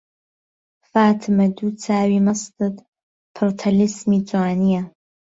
فاتمە دوو چاوی مەستت پڕ تەلیسمی جوانییە